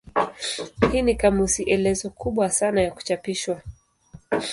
Hii ni kamusi elezo kubwa sana ya kuchapishwa.